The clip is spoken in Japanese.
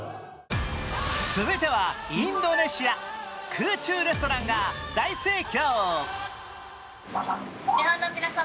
続いてはインドネシア、空中レストランが大盛況。